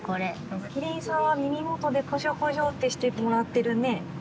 キリンさんは耳元でコショコショってしてもらってるね。